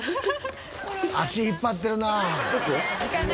足引っ張ってるな。